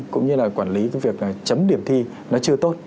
cũng như là quản lý cái việc chấm điểm thi nó chưa tốt